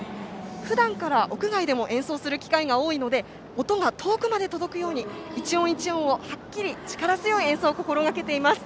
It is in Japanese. ふだんから屋外でも演奏する機会が多いので音が遠くまで届くように１音１音はっきり力強い演奏を心がけています。